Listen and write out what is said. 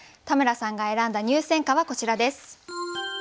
田村さんが選んだ入選歌はこちらです。